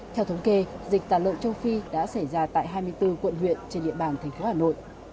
theo thống kê dịch tà lợn châu phi đã xảy ra tại hai mươi bốn quận huyện trên địa bàn thành phố hà nội